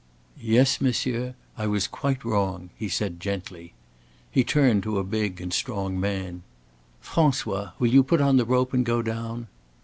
"Yes, monsieur, I was quite wrong," he said, gently. He turned to a big and strong man: "François, will you put on the rope and go down?"